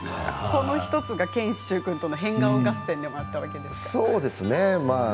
その１つが賢秀君との変顔合戦だったりするわけですね。